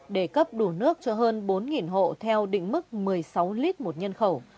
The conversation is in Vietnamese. để cấp đủ nước cho hơn bốn hộ theo định mức một mươi sáu lít một nhân khẩu